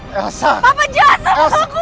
papa jasa sama aku